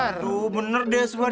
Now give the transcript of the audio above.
aduh benar deh suhar